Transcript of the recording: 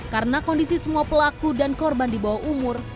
karena kondisi semua pelaku dan korban di bawah umur